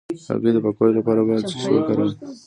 د هګیو د پاکوالي لپاره باید څه شی وکاروم؟